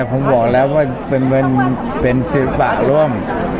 ผมบอกแล้วว่าเป็นศิลปะร่วม